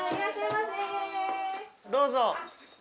どうぞ！